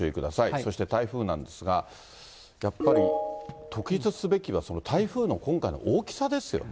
そして台風なんですが、やっぱり特筆すべきは、台風の今回の大きさですよね。